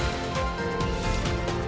kalau yang east java saya